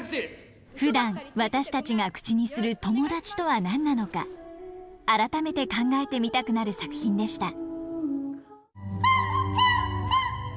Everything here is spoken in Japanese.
ふだん私たちが口にする友達とは何なのか改めて考えてみたくなる作品でした。